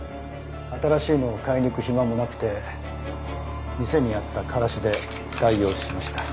新しいのを買いに行く暇もなくて店にあったからしで代用しました。